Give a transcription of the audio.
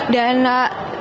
dan saat ini